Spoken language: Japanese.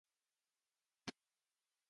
お前はわしの誇りじゃ